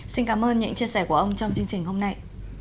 xin cảm ơn những chia sẻ của ông trong chương trình hôm nay